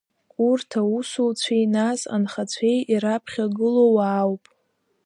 Урҭ аусуцәеи, нас анхацәеи ираԥхьагылоу уаауп.